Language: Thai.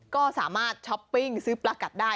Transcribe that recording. ก็สามารถช้อปปิ้งซื้อปลากัดได้